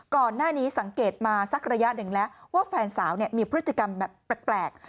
ก่อนหน้านี้สังเกตมาสักระยะหนึ่งแล้วว่าแฟนสาวมีพฤติกรรมแบบแปลก